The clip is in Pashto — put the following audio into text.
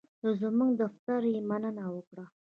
له زمونږ دفتر یې مننه وکړه.